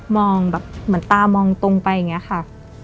แบบเหมือนตามองตรงไปอย่างนี้ค่ะ